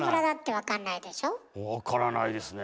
分からないですね。